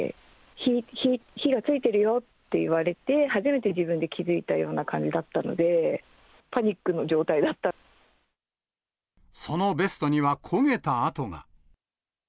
火、火がついてるよって言われて、初めて自分で気付いたような感じだったので、パニックの状態だっそのベストには焦げた跡が。